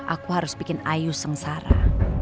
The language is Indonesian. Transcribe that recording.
aku harus bikin ayu sengsara